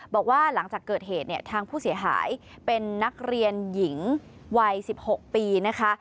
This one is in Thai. บอกว่าหลังจากเกิดเหตุเนี่ยทางผู้เสียหายเป็นนักเรียนหญิงวัย๑๖ปีนะคะ